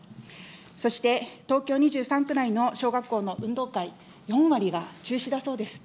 そして、東京２３区内の小学校の運動会、４割が中止だそうです。